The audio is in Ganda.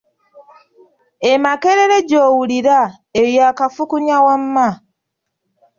"E Makerere gy’owulira, eyo kafukunya wamma."